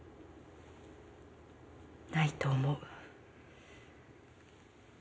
ないと思う。